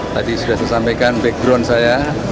tadi sudah disampaikan background saya